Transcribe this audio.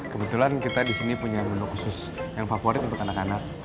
kebetulan kita di sini punya menu khusus yang favorit untuk anak anak